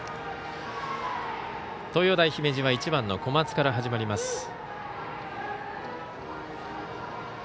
東洋大姫路は１番の小松から始まります。